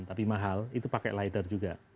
tapi mahal itu pakai lighter juga